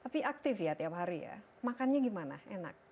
tapi aktif ya tiap hari ya makannya gimana enak